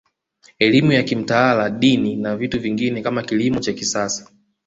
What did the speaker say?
Elimu ya kimtaala Dini na vitu vingine kama kilimo cha kisasa